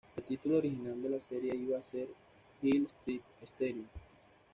El título original de la serie iba a ser "Hill Street Station".